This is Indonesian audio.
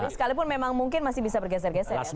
sekalipun memang mungkin masih bisa bergeser geser ya